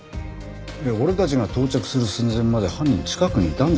俺たちが到着する寸前まで犯人近くにいたんじゃねえか？